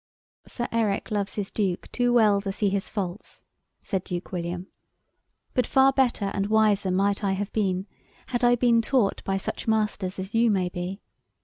"Sir Eric loves his Duke too well to see his faults," said Duke William; "but far better and wiser might I have been, had I been taught by such masters as you may be.